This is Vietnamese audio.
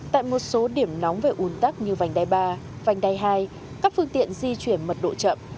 tại một số điểm nóng về un tắc như vành đai ba vành đai hai các phương tiện di chuyển mật độ chậm